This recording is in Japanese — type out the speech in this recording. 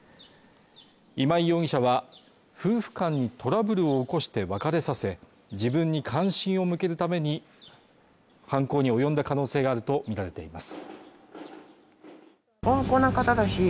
今井容疑者は、夫婦間にトラブルを起こして別れさせ、自分に関心を向けるために犯行に及んだ可能性があるとみられています。